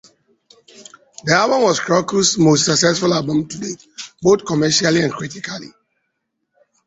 The album was Krokus' most successful album to date, both commercially and critically.